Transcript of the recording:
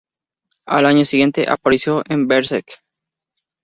Al año siguiente, apareció en "Berserk!